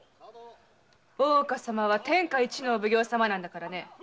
大岡様は天下一のお奉行様だからね。